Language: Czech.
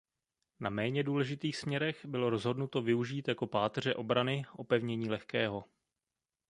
Na méně důležitých směrech bylo rozhodnuto využít jako páteře obrany opevnění lehkého.